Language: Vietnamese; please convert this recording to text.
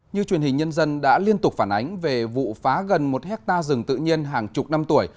như truyền hình nhân dân đã liên tục phản ánh về vụ phá gần một hectare rừng tự nhiên hàng chục năm tuổi